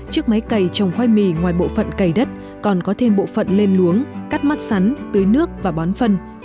chiếc máy cầy trồng khoai mì ngoài bộ phận cầy đất còn có thêm bộ phận lên luống cắt mắt sắn tưới nước và bón phân